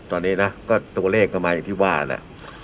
ตอนนี้นะก็ตัวเลขก็ไม่ที่ว่าแล้ว